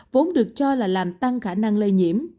vốn được cho là làm tăng khả năng lây nhiễm